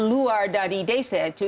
keluar dari desa itu